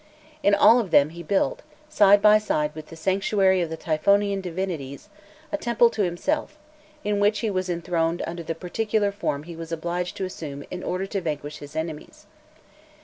In all of them he built, side by side with the sanctuary of the Typhonian divinities, a temple to himself, in which he was enthroned under the particular form he was obliged to assume in order to vanquish his enemies.